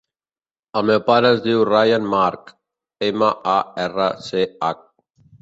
El meu pare es diu Rayan March: ema, a, erra, ce, hac.